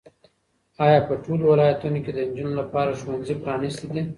ایا په ټولو ولایتونو کې د نجونو لپاره ښوونځي پرانیستي دي؟